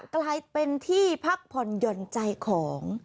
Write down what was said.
กลายเป็นที่พักผ่อนหย่อนใจของ